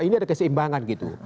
ini ada keseimbangan gitu